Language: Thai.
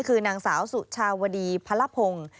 คือนางสาวสุชาวดีพระละพงศ์